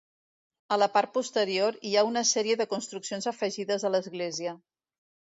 A la part posterior hi ha una sèrie de construccions afegides a l'església.